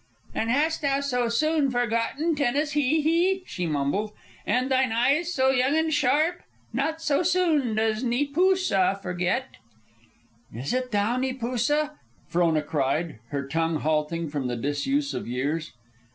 "And hast thou so soon forgotten, Tenas Hee Hee?" she mumbled. "And thine eyes so young and sharp! Not so soon does Neepoosa forget." "It is thou, Neepoosa?" Frona cried, her tongue halting from the disuse of years.